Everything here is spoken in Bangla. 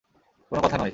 কোনো কথা নয়।